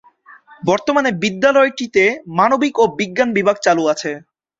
বর্তমানে বিদ্যালয়টিতে মানবিক ও বিজ্ঞান বিভাগ চালু আছে।